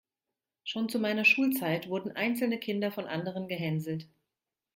Schon zu meiner Schulzeit wurden einzelne Kinder von anderen gehänselt.